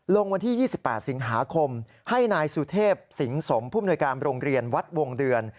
วันที่๒๘สิงหาคมให้นายสุเทพสิงสมผู้มนวยการโรงเรียนวัดวงเดือน